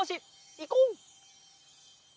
いこう！